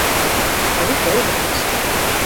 অনেক বড় মনে হচ্ছে।